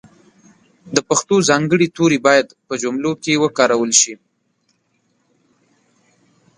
د پښتو ځانګړي توري باید په جملو کښې وکارول سي.